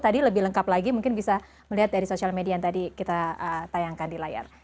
tadi lebih lengkap lagi mungkin bisa melihat dari sosial media yang tadi kita tayangkan di layar